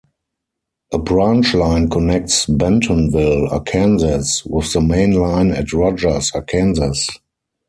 A branch line connects Bentonville, Arkansas, with the main line at Rogers, Arkansas.